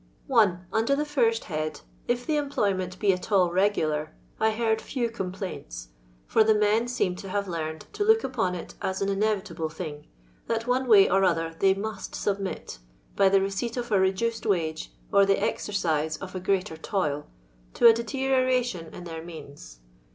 1. Under the first head, if the employment be at all regular, I heard few complaints, for the men seemed to hare learned to look upon it as an in evitable thing, that one way or other they mxut submit, by the receipt of a reduced wage, or the ezereite of a greater toil, to a deterioration in their means.